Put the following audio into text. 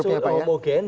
lebih homogen grupnya